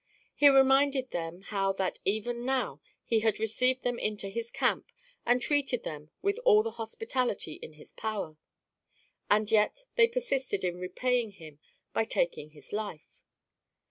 He reminded them "how that, even now, he had received them into his camp and treated them with all the hospitality in his power; and yet they persisted in repaying him by taking his life."